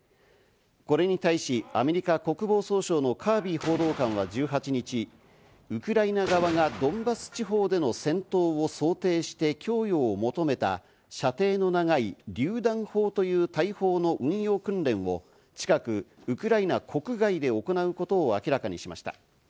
これに対し、アメリカ国防総省のカービー報道官は１８日、ウクライナ側がドンバス地方での戦闘を想定して供与を求めた、射程の長いりゅう弾砲という大砲の運用訓練を近くウクライナ国外で行うことを明らかにしました。